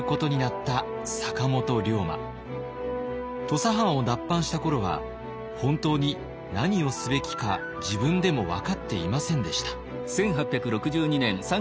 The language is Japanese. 土佐藩を脱藩した頃は本当に何をすべきか自分でも分かっていませんでした。